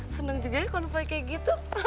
seneng juga ya konvoy kayak gitu